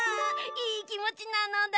いいきもちなのだ！